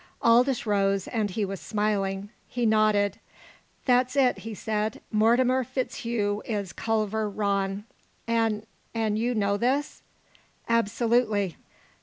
Aldous rose, and he was smiling. He nodded. "That's it," he said. "Mortimer FitzHugh is Culver Rann!" "An' an' you know this?" "Absolutely.